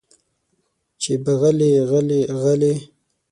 چې به غلې غلې غلې